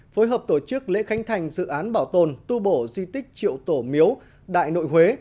phối hợp tổ chức lễ khánh thành dự án bảo tồn tu bổ di tích triệu tổ miếu đại nội huế